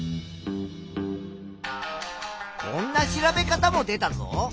こんな調べ方も出たぞ。